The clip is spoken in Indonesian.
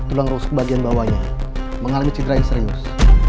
tulang rusuk bagian bawahnya mengalami cedera yang serius